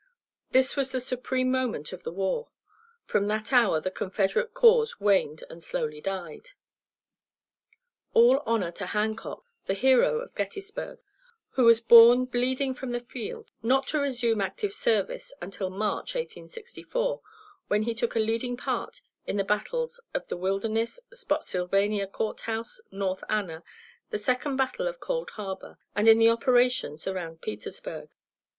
This was the supreme moment of the war; from that hour the Confederate cause waned and slowly died. All honor to Hancock, the hero of Gettysburg, who was borne bleeding from the field, not to resume active service until March, 1864, when he took a leading part in the battles of the Wilderness, Spottsylvania Court House, North Anna, the second battle of Cold Harbor, and in the operations around Petersburg.